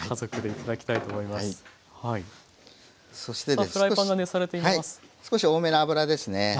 そしてですね。